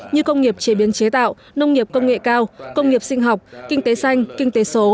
như công nghiệp chế biến chế tạo nông nghiệp công nghệ cao công nghiệp sinh học kinh tế xanh kinh tế số